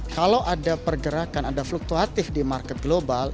komoditi itu bicara bahwa kalau ada pergerakan ada fluktuatif di market global